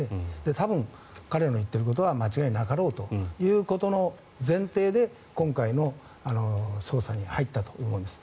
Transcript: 多分、彼の言っていることは間違いなかろうという前提で今回の捜査に入ったと思うんです。